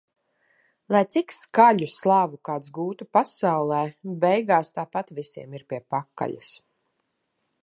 Lai cik skaļu slavu kāds gūtu pasaulē - beigās tāpat visiem ir pie pakaļas.